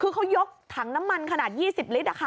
คือเขายกถังน้ำมันขนาด๒๐ลิตร